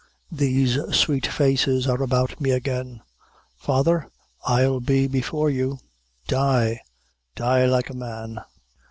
These sweet faces are about me again. Father, I'll be before you die die like a man."